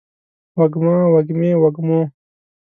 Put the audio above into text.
وږمه، وږمې ، وږمو